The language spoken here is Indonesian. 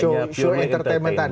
hanya pure entertainment